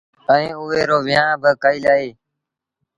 ائيٚݩ اُئي رو ويٚنهآݩ با ڪئيٚل اهي